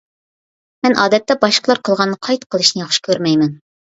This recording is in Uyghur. مەن ئادەتتە باشقىلار قىلغاننى قايتا قىلىشنى ياخشى كۆرمەيمەن.